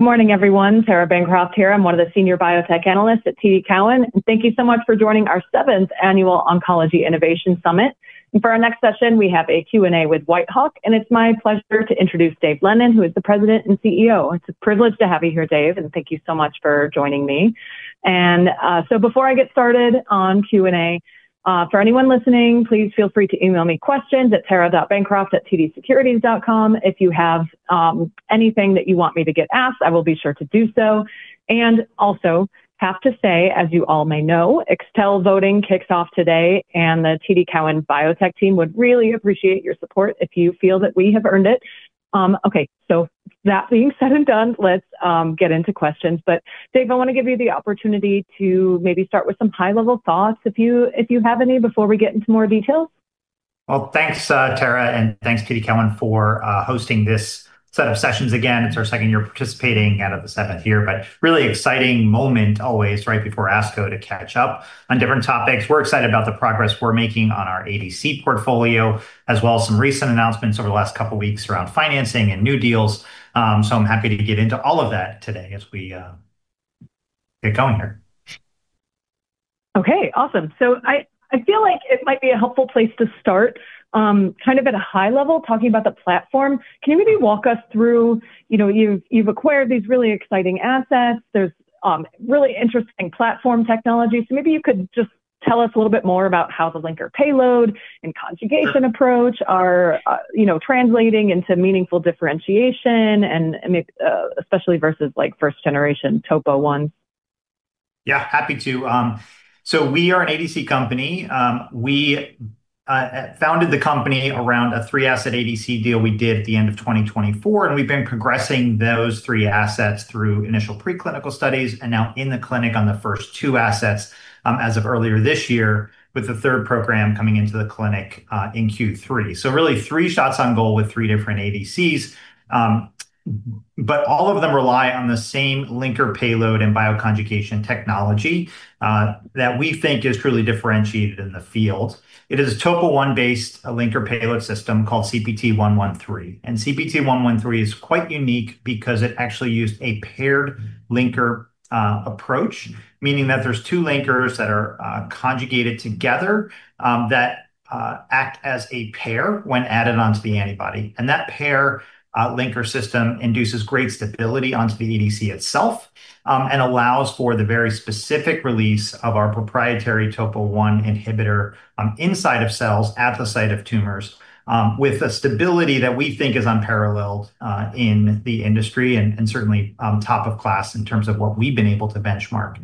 Morning, everyone. Tara Bancroft here. I'm one of the Senior Biotech Analysts at TD Cowen. Thank you so much for joining our seventh annual Oncology Innovation Summit. For our next session, we have a Q&A with Whitehawk. It's my pleasure to introduce Dave Lennon, who is the President and CEO. It's a privilege to have you here, Dave. Thank you so much for joining me. Before I get started on Q&A, for anyone listening, please feel free to email me questions at tara.bancroft@tdsecurities.com. If you have anything that you want me to get asked, I will be sure to do so. Also have to say, as you all may know, Extel voting kicks off today. The TD Cowen biotech team would really appreciate your support if you feel that we have earned it. That being said and done, let's get into questions. Dave, I want to give you the opportunity to maybe start with some high-level thoughts, if you have any, before we get into more details. Well, thanks, Tara, and thanks TD Cowen for hosting this set of sessions again. It's our second year participating out of the seventh year, really exciting moment always right before ASCO to catch up on different topics. We're excited about the progress we're making on our ADC portfolio, as well as some recent announcements over the last couple of weeks around financing and new deals. I'm happy to get into all of that today as we get going here. Awesome. I feel like it might be a helpful place to start, kind of at a high level, talking about the platform. Can you maybe walk us through, you've acquired these really exciting assets. There's really interesting platform technology. Maybe you could just tell us a little bit more about how the linker payload and conjugation approach are translating into meaningful differentiation and especially versus first-generation Topo 1. Yeah, happy to. We are an ADC company. We founded the company around a three-asset ADC deal we did at the end of 2024, and we've been progressing those three assets through initial preclinical studies, and now in the clinic on the first two assets, as of earlier this year, with the third program coming into the clinic in Q3. Really three shots on goal with three different ADCs. All of them rely on the same linker payload and bioconjugation technology that we think is truly differentiated in the field. It is a Topo 1-based linker payload system called CPT113, and CPT113 is quite unique because it actually used a paired linker approach, meaning that there's two linkers that are conjugated together that act as a pair when added onto the antibody. That pair linker system induces great stability onto the ADC itself, and allows for the very specific release of our proprietary Topo 1 inhibitor inside of cells at the site of tumors, with a stability that we think is unparalleled in the industry and certainly top of class in terms of what we've been able to benchmark.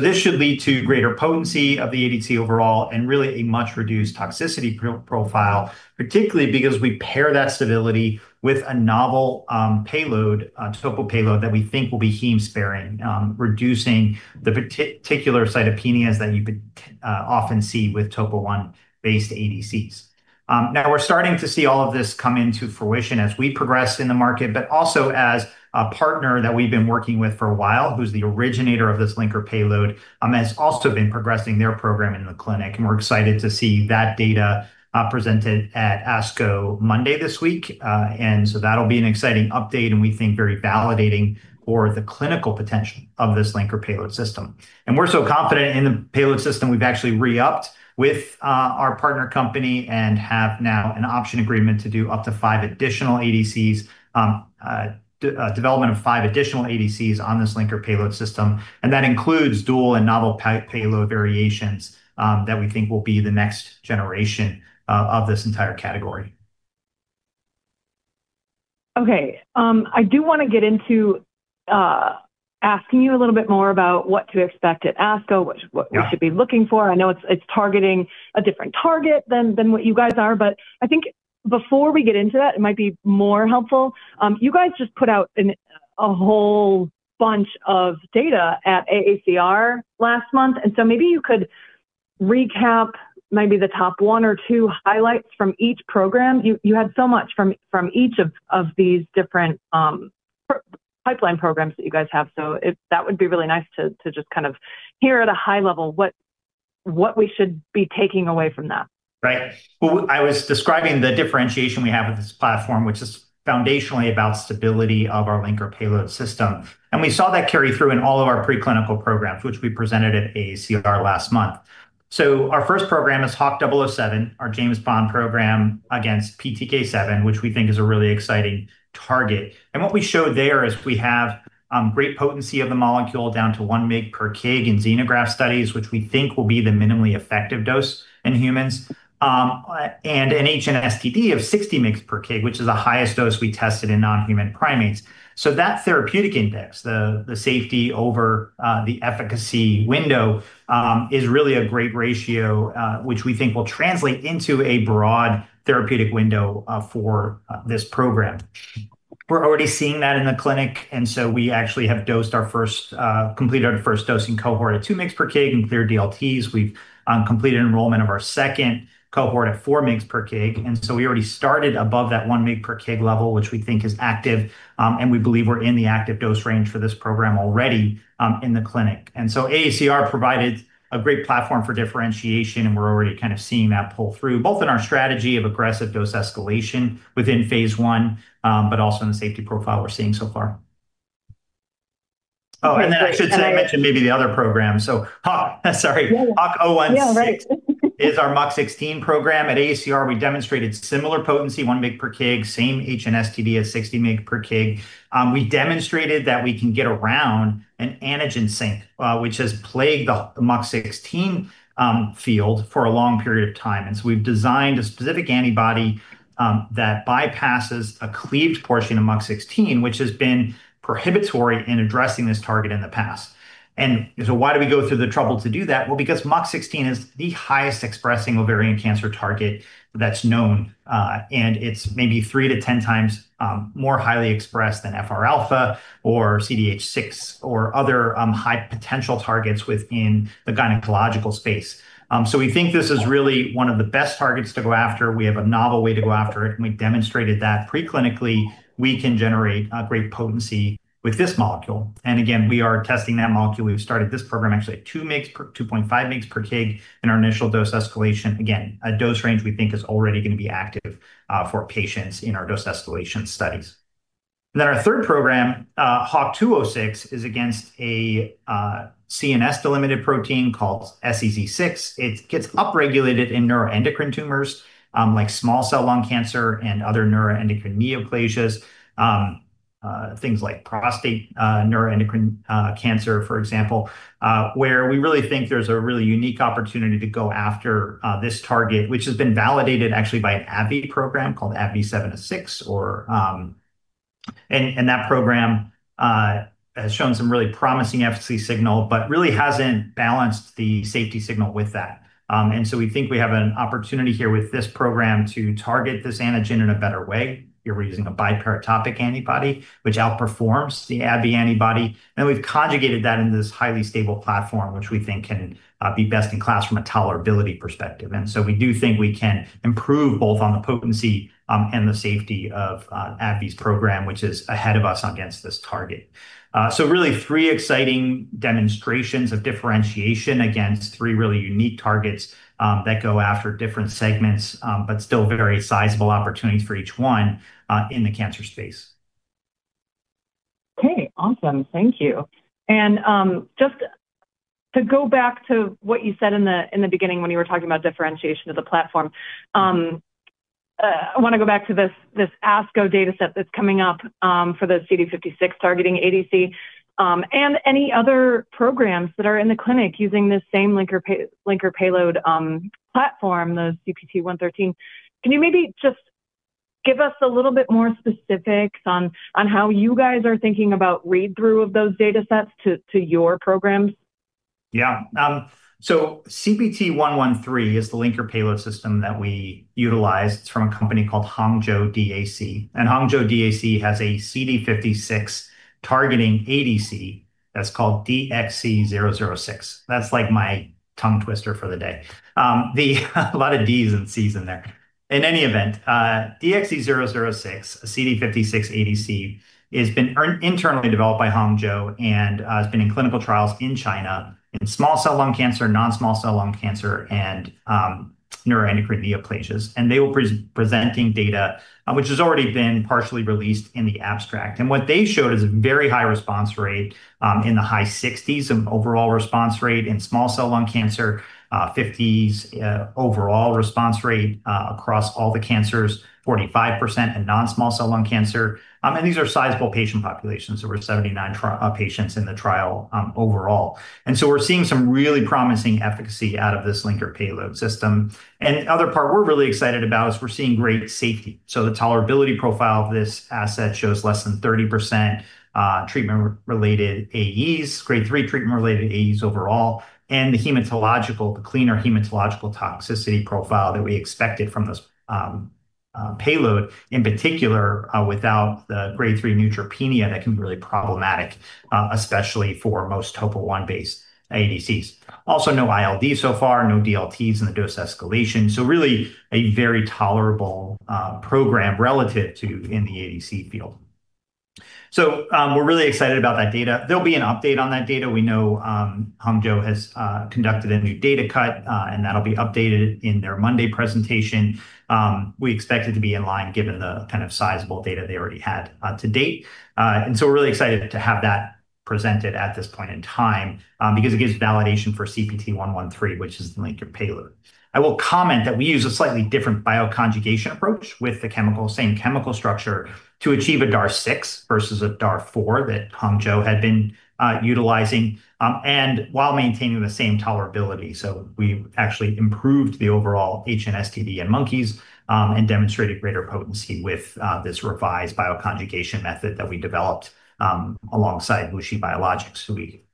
This should lead to greater potency of the ADC overall and really a much-reduced toxicity profile, particularly because we pair that stability with a novel payload, Topo payload, that we think will be heme-sparing, reducing the particular cytopenias that you would often see with Topo 1-based ADCs. Now we're starting to see all of this come into fruition as we progress in the market, but also as a partner that we've been working with for a while, who's the originator of this linker payload, has also been progressing their program in the clinic, and we're excited to see that data presented at ASCO Monday this week. That'll be an exciting update, and we think very validating for the clinical potential of this linker payload system. We're so confident in the payload system, we've actually re-upped with our partner company and have now an option agreement to do up to five additional ADCs, development of five additional ADCs on this linker payload system, and that includes dual and novel payload variations that we think will be the next generation of this entire category. Okay. I do want to get into asking you a little bit more about what to expect at ASCO. Yeah We should be looking for. I know it's targeting a different target than what you guys are, but I think before we get into that, it might be more helpful. You guys just put out a whole bunch of data at AACR last month, and so maybe you could recap maybe the top one or two highlights from each program. You had so much from each of these different pipeline programs that you guys have, so that would be really nice to just kind of hear at a high level what we should be taking away from that. Right. I was describing the differentiation we have with this platform, which is foundationally about stability of our linker payload system. We saw that carry through in all of our preclinical programs, which we presented at AACR last month. Our first program is HWK-007, our James Bond program against PTK7, which we think is a really exciting target. What we show there is we have great potency of the molecule down to 1 mg per kg in xenograft studies, which we think will be the minimally effective dose in humans. An HNSTD of 60 mg per kg, which is the highest dose we tested in non-human primates. That therapeutic index, the safety over the efficacy window, is really a great ratio, which we think will translate into a broad therapeutic window for this program. We're already seeing that in the clinic. We actually have completed our first dosing cohort at two mg per kg and cleared DLTs. We've completed enrollment of our second cohort at four mg per kg. We already started above that 1 mg per kg level, which we think is active, and we believe we're in the active dose range for this program already in the clinic. AACR provided a great platform for differentiation, and we're already kind of seeing that pull through, both in our strategy of aggressive dose escalation within phase I, but also in the safety profile we're seeing so far. I should say I mentioned maybe the other program. HWK-016. Yeah, right. It is our MUC16 program. At AACR, we demonstrated similar potency, one mg per kg, same HNSTD as 60 mg per kg. We demonstrated that we can get around an antigen sink, which has plagued the MUC16 field for a long period of time. We've designed a specific antibody that bypasses a cleaved portion of MUC16, which has been prohibitory in addressing this target in the past. Why do we go through the trouble to do that? Well, because MUC16 is the highest expressing ovarian cancer target that's known. It's maybe three to 10x more highly expressed than FR alpha or CDH6 or other high potential targets within the gynecological space. We think this is really one of the best targets to go after. We have a novel way to go after it, and we demonstrated that pre-clinically, we can generate a great potency with this molecule. We are testing that molecule. We've started this program actually at 2.5 mg/kg in our initial dose escalation. Again, a dose range we think is already going to be active for patients in our dose escalation studies. Our third program, HWK-206, is against a CNS-originated protein called SEZ6. It gets upregulated in neuroendocrine tumors, like small cell lung cancer and other neuroendocrine neoplasias, things like prostate neuroendocrine cancer, for example where we really think there's a really unique opportunity to go after this target, which has been validated actually by an AbbVie program called ABBV-706. That program has shown some really promising efficacy signal, but really hasn't balanced the safety signal with that. We think we have an opportunity here with this program to target this antigen in a better way. Here, we're using a biparatopic antibody, which outperforms the AbbVie antibody. We've conjugated that into this highly stable platform, which we think can be best in class from a tolerability perspective. We do think we can improve both on the potency and the safety of AbbVie's program, which is ahead of us against this target. Really three exciting demonstrations of differentiation against three really unique targets that go after different segments, but still very sizable opportunities for each one in the cancer space. Okay, awesome. Thank you. Just to go back to what you said in the beginning when you were talking about differentiation of the platform, I want to go back to this ASCO data set that's coming up for the CD56 targeting ADC, and any other programs that are in the clinic using this same linker payload platform, the CPT113. Can you maybe just give us a little bit more specifics on how you guys are thinking about read-through of those data sets to your programs? Yeah. CPT113 is the linker payload system that we utilize. It's from a company called Hangzhou DAC. Hangzhou DAC has a CD56 targeting ADC that's called DXC-006. That's like my tongue twister for the day. A lot of Ds and Cs in there. In any event, DXC-006, a CD56 ADC, has been internally developed by Hangzhou and has been in clinical trials in China in small cell lung cancer, non-small cell lung cancer and neuroendocrine neoplasias. They will be presenting data, which has already been partially released in the abstract. What they showed is a very high response rate, in the high 60s of overall response rate in small cell lung cancer, 50s overall response rate across all the cancers, 45% in non-small cell lung cancer. These are sizable patient populations. There were 79 trial patients in the trial overall. We're seeing some really promising efficacy out of this linker payload system. The other part we're really excited about is we're seeing great safety. The tolerability profile of this asset shows less than 30% treatment-related AEs, Grade 3 treatment-related AEs overall, and the cleaner hematological toxicity profile that we expected from this payload, in particular, without the Grade 3 neutropenia that can be really problematic, especially for most Topo 1-based ADCs. Also, no ILD so far, no DLTs in the dose escalation. Really a very tolerable program relative to in the ADC field. We're really excited about that data. There'll be an update on that data. We know Hangzhou has conducted a new data cut, and that'll be updated in their Monday presentation. We expect it to be in line given the kind of sizable data they already had to date. We're really excited to have that presented at this point in time, because it gives validation for CPT113, which is the linker payload. I will comment that we use a slightly different bioconjugation approach with the same chemical structure to achieve a DAR6 versus a DAR4 that Hangzhou had been utilizing, and while maintaining the same tolerability. We actually improved the overall HNSTD in monkeys, and demonstrated greater potency with this revised bioconjugation method that we developed alongside WuXi Biologics, who we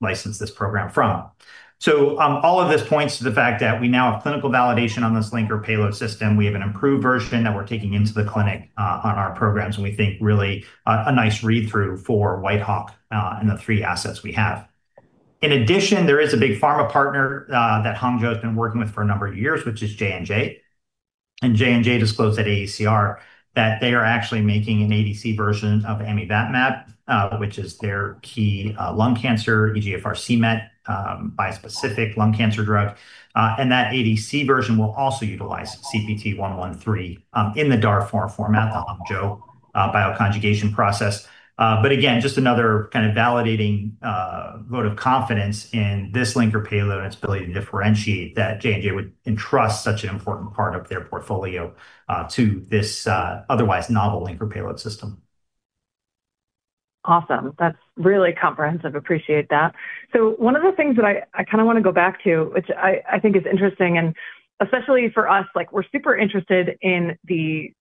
licensed this program from. All of this points to the fact that we now have clinical validation on this linker payload system. We have an improved version that we're taking into the clinic on our programs, and we think really a nice read-through for Whitehawk and the three assets we have. In addition, there is a big pharma partner that Hangzhou has been working with for a number of years, which is J&J. J&J disclosed at AACR that they are actually making an ADC version of amivantamab, which is their key lung cancer, EGFR/c-Met, bispecific lung cancer drug. That ADC version will also utilize CPT113 in the DAR4 format, the Hangzhou bioconjugation process. Again, just another kind of validating a vote of confidence in this linker payload and its ability to differentiate that J&J would entrust such an important part of their portfolio to this otherwise novel linker payload system. Awesome. That's really comprehensive. Appreciate that. One of the things that I want to go back to, which I think is interesting, and especially for us, we're super interested in the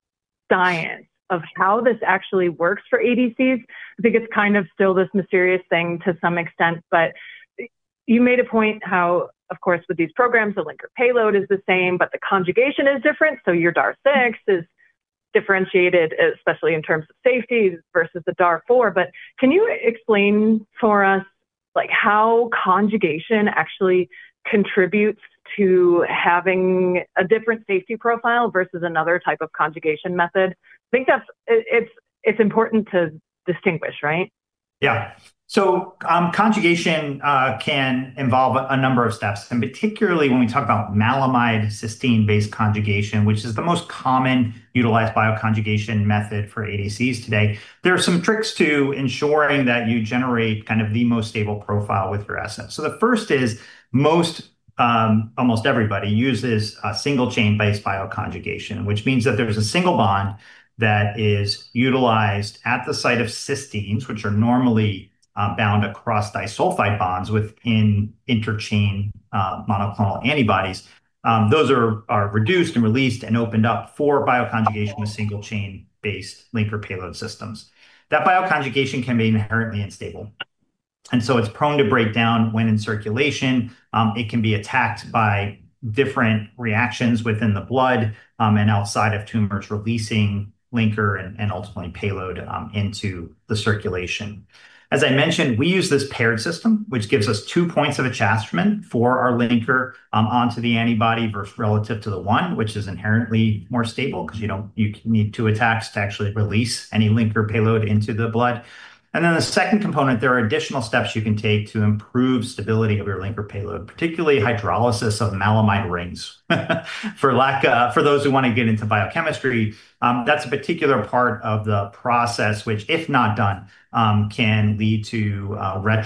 science of how this actually works for ADCs. I think it's still this mysterious thing to some extent, but you made a point how, of course, with these programs, the linker payload is the same, but the conjugation is different. Your DAR-6 is differentiated, especially in terms of safety versus the DAR-4. Can you explain for us how conjugation actually contributes to having a different safety profile versus another type of conjugation method? I think that it's important to distinguish, right? Yeah. Conjugation can involve a number of steps, and particularly when we talk about maleimide cysteine-based conjugation, which is the most common utilized bioconjugation method for ADCs today. There are some tricks to ensuring that you generate the most stable profile with your asset. The first is almost everybody uses a single chain-based bioconjugation, which means that there's a single bond that is utilized at the site of cysteines, which are normally bound across disulfide bonds within interchain monoclonal antibodies. Those are reduced and released and opened up for bioconjugation with single chain-based linker payload systems. That bioconjugation can be inherently unstable, and so it's prone to break down when in circulation. It can be attacked by different reactions within the blood, and outside of tumors releasing linker and ultimately payload into the circulation. As I mentioned, we use this paired system, which gives us two points of attachment for our linker onto the antibody versus relative to the one, which is inherently more stable because you need two attacks to actually release any linker payload into the blood. The second component, there are additional steps you can take to improve stability of your linker payload, particularly hydrolysis of maleimide rings. For those who want to get into biochemistry, that's a particular part of the process, which if not done, can lead to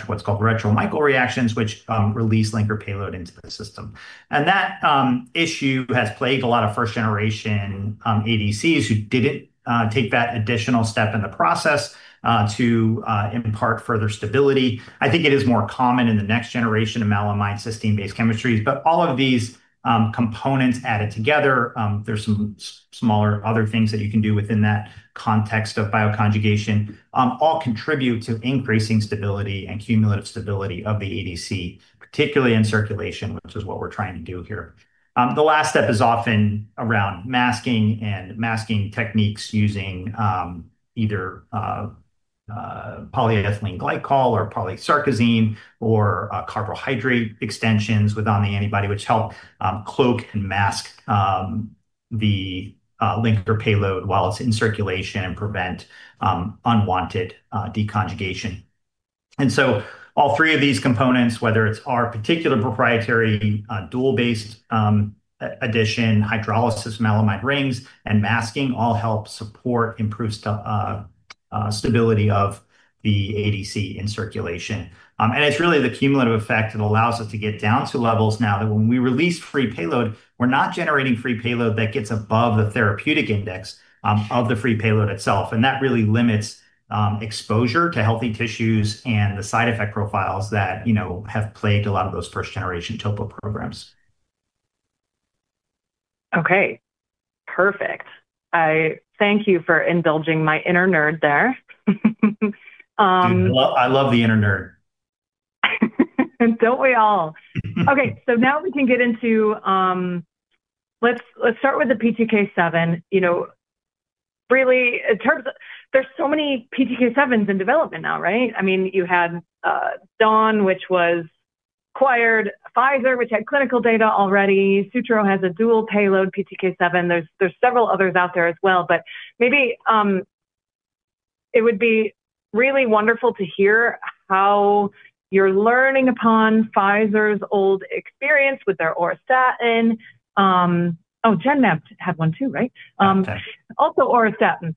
what's called retro-Michael reactions, which release linker payload into the system. That issue has plagued a lot of first generation ADCs who didn't take that additional step in the process to impart further stability. I think it is more common in the next generation of maleimide cysteine-based chemistries. All of these components added together, there's some smaller other things that you can do within that context of bioconjugation, all contribute to increasing stability and cumulative stability of the ADC, particularly in circulation, which is what we're trying to do here. The last step is often around masking and masking techniques using either polyethylene glycol or polysarcosine or carbohydrate extensions with on the antibody, which help cloak and mask the linker payload while it's in circulation and prevent unwanted deconjugation. All three of these components, whether it's our particular proprietary dual-based addition, hydrolysis maleimide rings, and masking, all help support improved stability of the ADC in circulation. It's really the cumulative effect that allows us to get down to levels now that when we release free payload, we're not generating free payload that gets above the therapeutic index of the free payload itself. That really limits exposure to healthy tissues and the side effect profiles that have plagued a lot of those first-generation topo programs. Okay. Perfect. I thank you for indulging my inner nerd there. Dude, I love the inner nerd. Don't we all? Okay. Let's start with the PTK7. Really, there's so many PTK7s in development now, right? You had Dawn, which was acquired, Pfizer, which had clinical data already. Sutro has a dual payload PTK7. There's several others out there as well. Maybe it would be really wonderful to hear how you're learning upon Pfizer's old experience with their auristatin. Genmab had one too, right? Yes. Also auristatins.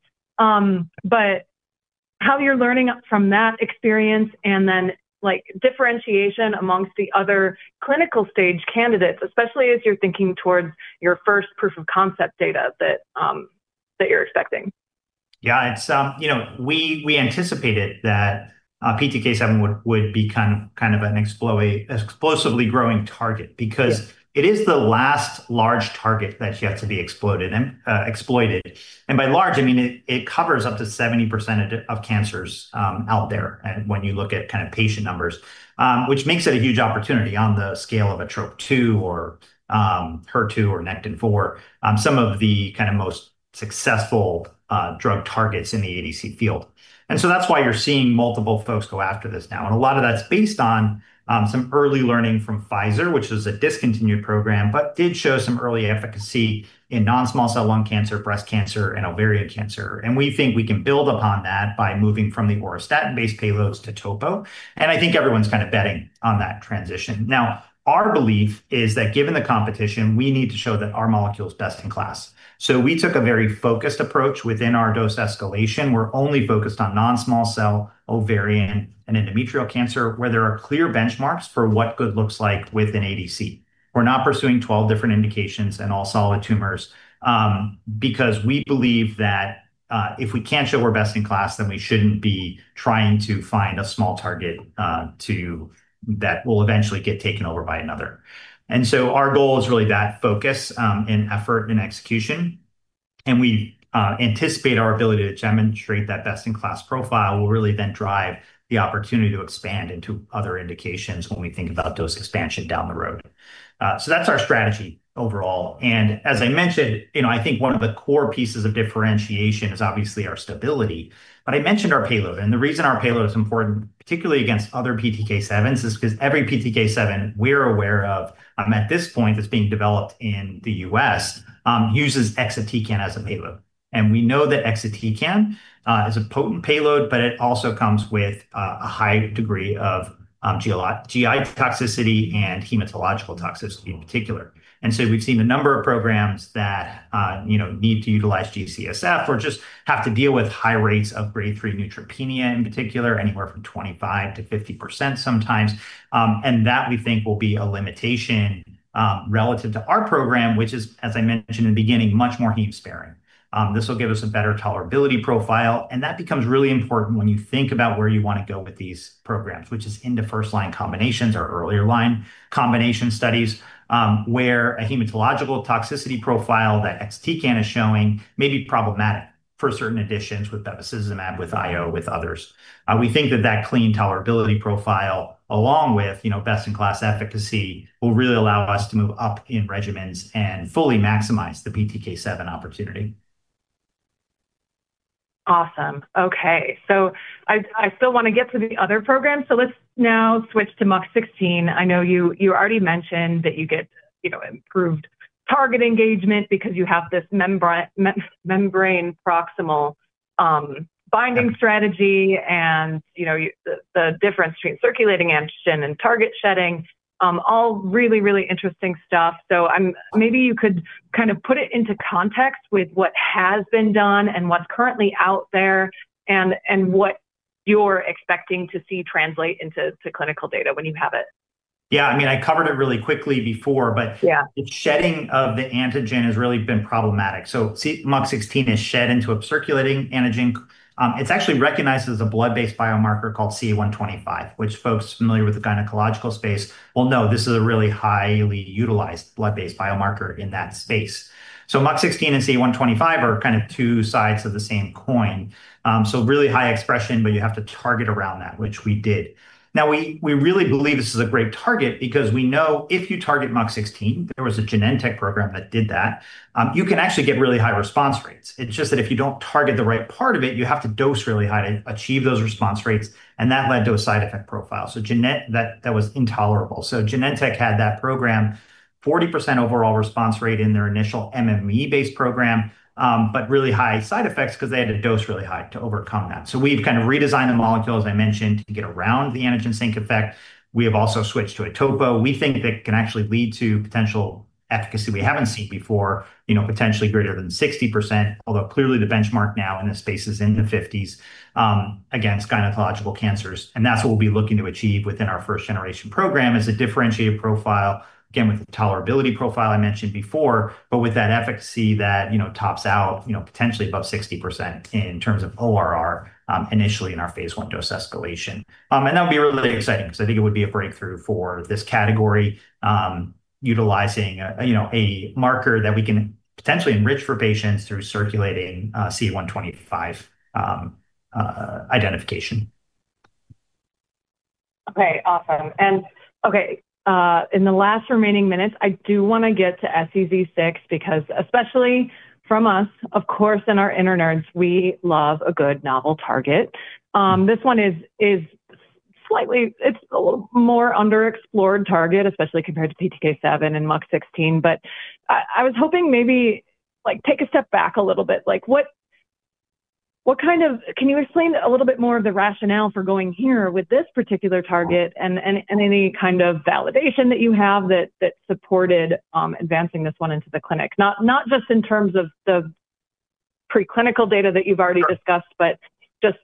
How you're learning from that experience and then differentiation amongst the other clinical stage candidates, especially as you're thinking towards your first proof of concept data that you're expecting? Yeah. We anticipated that PTK7 would be an explosively growing target because it is the last large target that's yet to be exploited. By large, I mean, it covers up to 70% of cancers out there, and when you look at patient numbers, which makes it a huge opportunity on the scale of a Trop-2 or HER2 or Nectin-4, some of the most successful drug targets in the ADC field. That's why you're seeing multiple folks go after this now. A lot of that's based on some early learning from Pfizer, which was a discontinued program, but did show some early efficacy in non-small cell lung cancer, breast cancer, and ovarian cancer. We think we can build upon that by moving from the auristatin-based payloads to topo. I think everyone's betting on that transition. Our belief is that given the competition, we need to show that our molecule is best in class. We took a very focused approach within our dose escalation. We're only focused on non-small cell ovarian and endometrial cancer, where there are clear benchmarks for what good looks like with an ADC. We're not pursuing 12 different indications in all solid tumors, because we believe that if we can't show we're best in class, then we shouldn't be trying to find a small target that will eventually get taken over by another. Our goal is really that focus in effort and execution, and we anticipate our ability to demonstrate that best-in-class profile will really then drive the opportunity to expand into other indications when we think about dose expansion down the road. That's our strategy overall. As I mentioned, I think one of the core pieces of differentiation is obviously our stability. I mentioned our payload, and the reason our payload is important, particularly against other PTK7s, is because every PTK7 we're aware of at this point that's being developed in the U.S., uses exatecan as a payload. We know that exatecan is a potent payload, but it also comes with a high degree of GI toxicity and hematological toxicity in particular. We've seen a number of programs that need to utilize GCSF or just have to deal with high rates of grade 3 neutropenia, in particular, anywhere from 25%-50% sometimes. That, we think, will be a limitation relative to our program, which is, as I mentioned in the beginning, much more heme-sparing. This will give us a better tolerability profile, and that becomes really important when you think about where you want to go with these programs, which is into first-line combinations or earlier-line combination studies, where a hematological toxicity profile that exatecan is showing may be problematic for certain additions with bevacizumab, with IO, with others. We think that clean tolerability profile, along with best-in-class efficacy, will really allow us to move up in regimens and fully maximize the PTK7 opportunity. Awesome. Okay. I still want to get to the other programs, let's now switch to MUC16. I know you already mentioned that you get improved target engagement because you have this membrane-proximal binding strategy and the difference between circulating antigen and target shedding. All really, really interesting stuff. Maybe you could put it into context with what has been done and what's currently out there and what you're expecting to see translate into clinical data when you have it. Yeah. I covered it really quickly before. Yeah The shedding of the antigen has really been problematic. MUC16 is shed into a circulating antigen. It's actually recognized as a blood-based biomarker called CA 125, which folks familiar with the gynecological space will know this is a really highly utilized blood-based biomarker in that space. MUC16 and CA 125 are two sides of the same coin. Really high expression, but you have to target around that, which we did. Now, we really believe this is a great target because we know if you target MUC16, there was a Genentech program that did that, you can actually get really high response rates. It's just that if you don't target the right part of it, you have to dose really high to achieve those response rates, and that led to a side effect profile. That was intolerable. Genentech had that program 40% overall response rate in their initial MMAE-based program, but really high side effects because they had to dose really high to overcome that. We've redesigned the molecule, as I mentioned, to get around the antigen sink effect. We have also switched to a topo. We think that can actually lead to potential efficacy we haven't seen before, potentially greater than 60%, although clearly the benchmark now in the space is in the 50s, against gynecological cancers. That's what we'll be looking to achieve within our first-generation program, is a differentiated profile, again, with the tolerability profile I mentioned before, but with that efficacy that tops out potentially above 60% in terms of ORR, initially in our phase I dose escalation. That would be really exciting because I think it would be a breakthrough for this category, utilizing a marker that we can potentially enrich for patients through circulating CA 125 identification. Okay. Awesome. Okay, in the last remaining minutes, I do want to get to SEZ6 because especially from us, of course, in our inner nerds, we love a good novel target. This one is a more underexplored target, especially compared to PTK7 and MUC16. I was hoping maybe take a step back a little bit. Can you explain a little bit more of the rationale for going here with this particular target and any kind of validation that you have that supported advancing this one into the clinic? Not just in terms of the pre-clinical data that you've already discussed, but just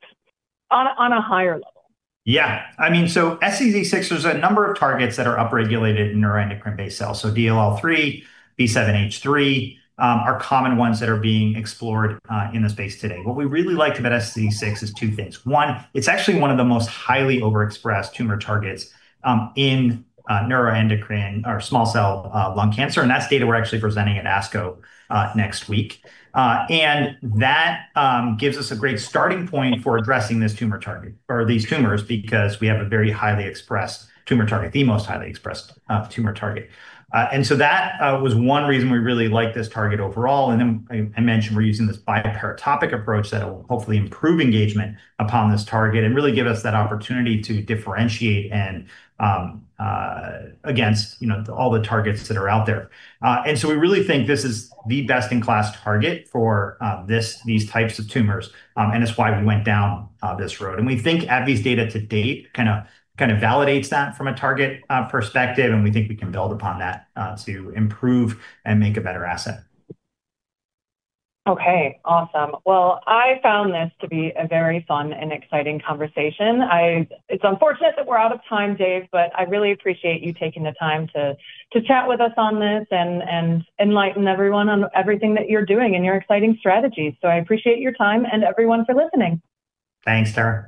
on a higher level. SEZ6, there's a number of targets that are upregulated in neuroendocrine-based cells. DLL3, B7H3, are common ones that are being explored in the space today. What we really like about SEZ6 is two things. One, it's actually one of the most highly overexpressed tumor targets in neuroendocrine or small cell lung cancer, and that's data we're actually presenting at ASCO next week. That gives us a great starting point for addressing this tumor target or these tumors because we have a very highly expressed tumor target, the most highly expressed tumor target. That was one reason we really like this target overall. I mentioned we're using this biparatopic approach that will hopefully improve engagement upon this target and really give us that opportunity to differentiate against all the targets that are out there. We really think this is the best-in-class target for these types of tumors, and it's why we went down this road. We think AbbVie's data to date validates that from a target perspective, and we think we can build upon that to improve and make a better asset. Okay, awesome. Well, I found this to be a very fun and exciting conversation. It's unfortunate that we're out of time, Dave, but I really appreciate you taking the time to chat with us on this and enlighten everyone on everything that you're doing and your exciting strategies. I appreciate your time and everyone for listening. Thanks, Tara.